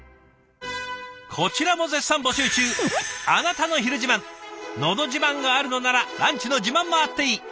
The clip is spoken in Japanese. こちらも絶賛募集中のど自慢があるのならランチの自慢もあっていい。